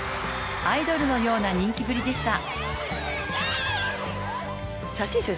アイドルのような人気ぶりでした。